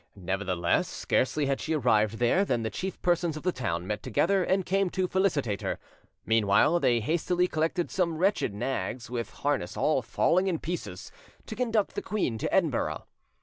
Nevertheless, scarcely had she arrived there than the chief persons of the town met together and came to felicitate her. Meanwhile, they hastily collected some wretched nags, with harness all falling in pieces, to conduct the queen to Edinburgh.